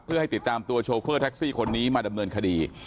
เพื่อให้ติดตามตัวโชเฟอร์แท็กซี่คนนี้มาดำเนินคดี